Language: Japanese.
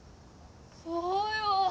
そうよ！